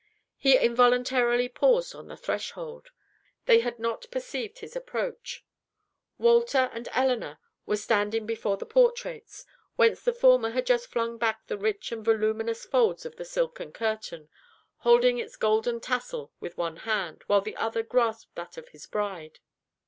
He involuntarily paused on the threshold. They had not perceived his approach. Walter and Elinor were standing before the portraits, whence the former had just flung back the rich and voluminous folds of the silken curtain, holding its golden tassel with one hand, while the other grasped that of his bride.